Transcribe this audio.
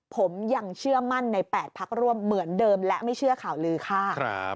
ผมยังเชื่อมั่นใน๘พักร่วมเหมือนเดิมและไม่เชื่อข่าวลือค่ะ